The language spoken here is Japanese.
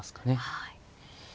はい。